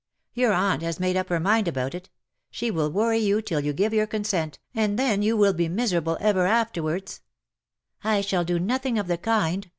Your aunt has made up her mind about it. She will worry you till you give your consent, and then you will be miserable ever after wards. ^^" I shall do nothing of the kind.